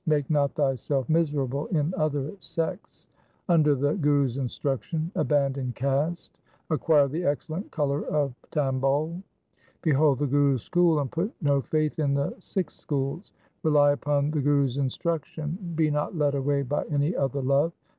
Make not thyself miserable in other sects. Under the Guru's instruction abandon caste, acquire the excellent colour of tambol. 4 Behold the Guru's school and put no faith in the six schools. Rely upon the Guru's instruction. Be not led away by any other love.